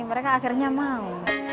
mereka akhirnya mau